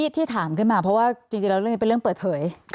ที่ถามขึ้นมาเพราะว่าจริงแล้วเรื่องนี้เป็นเรื่องเปิดเผย